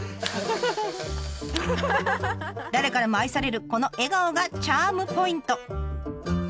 誰からも愛されるこの笑顔がチャームポイント。